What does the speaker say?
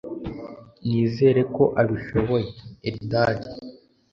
Nizera ko abishoboye (Eldad)